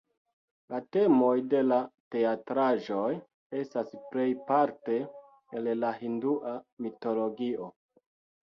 La temoj de la teatraĵoj estas plejparte el la hindua mitologio.